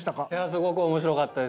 すごく面白かったです。